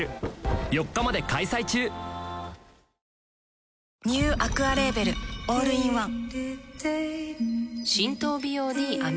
本麒麟ニューアクアレーベルオールインワン